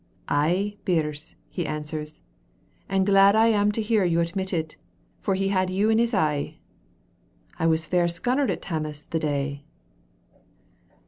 'Ay, Birse,' he answers, 'and glad I am to hear you admit it, for he had you in his eye.' I was fair scunnered at Tammas the day."